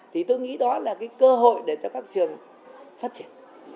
thì tôi nghĩ đó là cái cơ hội để cho các trường phát triển